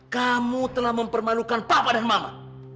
kamu telah mempermalukan papa dan mama